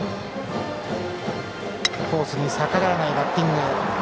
コースに逆らわないバッティング。